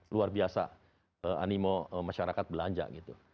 luar biasa animo masyarakat belanja gitu